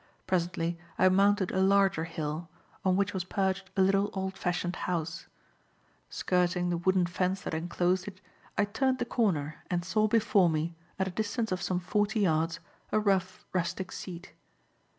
Presently I mounted a larger hill, on which was perched a little, old fashioned house. Skirting the wooden fence that enclosed it, I turned the corner and saw before me, at a distance of some forty yards, a rough, rustic seat.